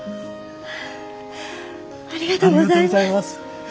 ありがとうございます。